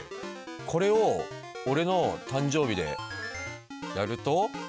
これを俺の誕生日でやると。